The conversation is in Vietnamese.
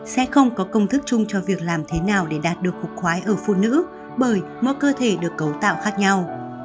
sẽ không có công thức chung cho việc làm thế nào để đạt được cục khoái ở phụ nữ bởi mỗi cơ thể được cấu tạo khác nhau